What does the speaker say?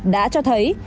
đã cho thấy